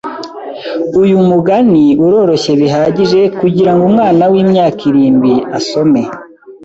Uyu mugani uroroshye bihagije kugirango umwana wimyaka irindwi asome.